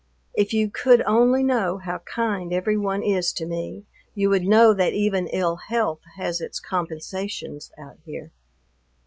If you could only know how kind every one is to me, you would know that even ill health has its compensations out here.